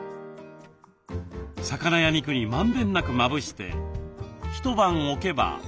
魚や肉にまんべんなくまぶして一晩置けば。